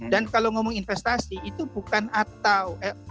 dan kalau ngomong investasi itu bukan atau